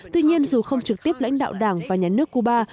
tuy nhiên dù không trực tiếp lãnh đạo đảng và nhà nước cuba